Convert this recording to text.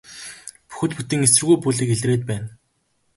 Бүхэл бүтэн эсэргүү бүлэг илрээд байна.